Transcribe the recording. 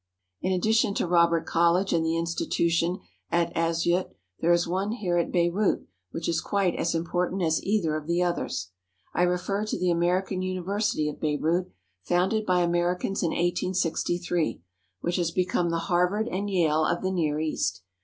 In addition to Robert College and the institution at Asyut there is one here at Beirut which is quite as im portant as either of the others. I refer to the American University of Beirut, founded by Americans in 1863, which has become the Harvard and Yale of the Near East.